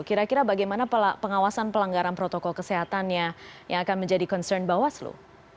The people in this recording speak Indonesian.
kira kira bagaimana pengawasan pelanggaran protokol kesehatannya yang akan menjadi concern bawaslu